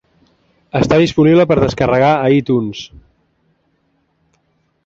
Està disponible per descarregar per iTunes.